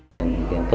tâm đi bộ đến nhà